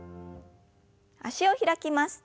脚を開きます。